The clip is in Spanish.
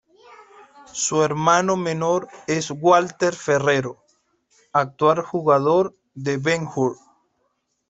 Su hermano menor es Walter Ferrero, actual jugador de Ben Hur.